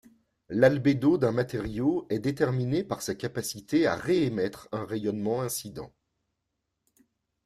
L'albédo d'un matériau est déterminé par sa capacité à réémettre un rayonnement incident.